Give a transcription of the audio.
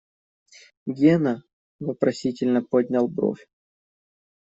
Гена вопросительно поднял бровь.